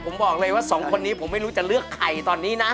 ผมบอกเลยว่าสองคนนี้ผมไม่รู้จะเลือกใครตอนนี้นะ